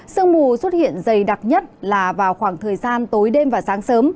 sương mù xuất hiện dày đặc nhất là vào khoảng thời gian tối đêm và sáng sớm